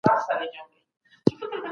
د بشري حقونو تامین د شریعت موخه ده.